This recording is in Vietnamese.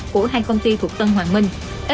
của hai công ty thuộc tân hoàng minh